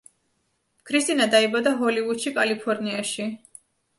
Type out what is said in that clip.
ქრისტინა დაიბადა ჰოლივუდში, კალიფორნიაში.